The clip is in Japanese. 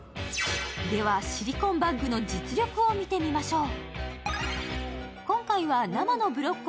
では、シリコンバッグの実力を見てみましょう。